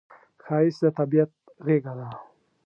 ښایست د طبیعت غېږه ده